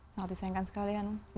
sangat disayangkan sekali hanum